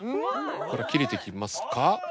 これ切れてきますか？